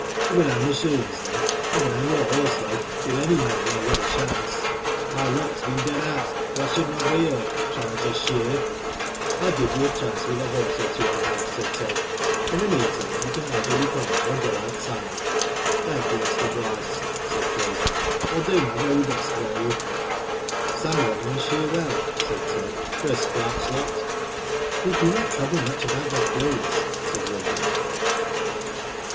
There were no . machines then. I can handle a horse though, with any man when I get a chance. My luck's Digitized byGoogk 126 WHO DID ITf been dead out or I should not be here, trying to shear/' I will give you a chance with a horse or two I have, said Ted. *' In the meantime, you can either look on, or go outside/' " Thank you, Mr. Bryce," said Fraser. I will do my very best for you." Some of the men^ shear well,'' said Ted, for a scratch lot." They do not trouble much about their clothes," said Wyndham.